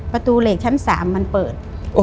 ประตูเหล็กชั้น๓มันเปิด